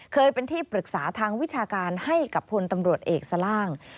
เคยเป็นที่ปรึกษาทางวิชาการให้กับพลตำรวจเอกสล่าง